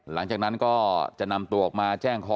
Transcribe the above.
หลังจากนั้นก็จะนำตัวออกมาแจ้งคอ